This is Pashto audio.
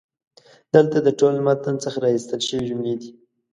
دلته د ټول متن څخه را ایستل شوي جملې دي: